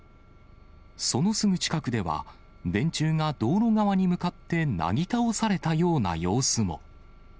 そのすぐ近くでは、電柱が道路側に向かってなぎ倒されたような様子も。